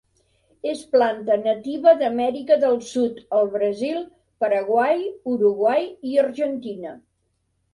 És planta nativa d'Amèrica del Sud, al Brasil, Paraguai, Uruguai i Argentina.